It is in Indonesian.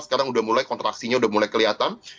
sekarang udah mulai kontraksinya udah mulai kelihatan